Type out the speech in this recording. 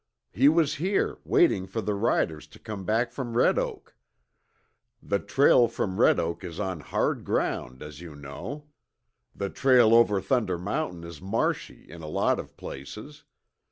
He was here, waiting for the riders to come back from Red Oak. The trail from Red Oak is on hard ground, as you know. The trail over Thunder Mountain is marshy in a lot of places.